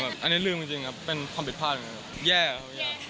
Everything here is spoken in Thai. ก็แยของเขาอีกแล้ว